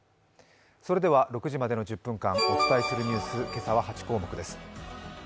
それでは６時までの１０分間、お伝えするニュース、今朝は８項目です。